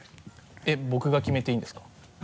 えっ僕が決めていいんですか？